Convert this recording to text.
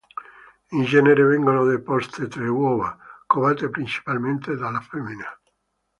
In genere vengono deposte tre uova, covate principalmente dalla femmina.